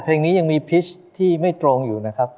เพลงนี้ยังมีพิชที่ไม่ตรงอยู่นะครับ